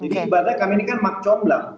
jadi ibadahnya kami ini kan makcomlang